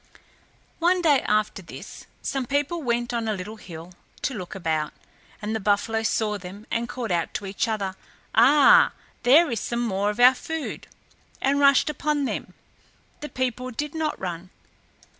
One day after this, some people went on a little hill to look about, and the buffalo saw them and called out to each other, "Ah, there is some more of our food," and rushed upon them. The people did not run.